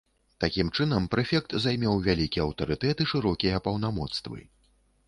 Такім чынам, прэфект займеў вялікі аўтарытэт і шырокія паўнамоцтвы.